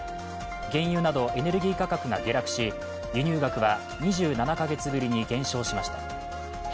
原油などエネルギー価格が下落し輸入額は２７か月ぶりに減少しました。